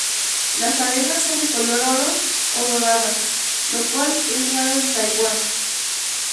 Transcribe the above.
Las arenas son de color oro o doradas, lo cual es raro en Taiwán.